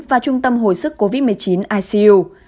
và trung tâm hồi sức covid một mươi chín icu